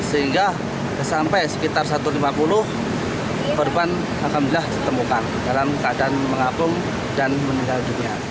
sehingga sampai sekitar satu ratus lima puluh korban alhamdulillah ditemukan dalam keadaan mengapung dan meninggal dunia